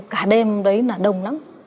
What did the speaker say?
cả đêm đấy là đông lắm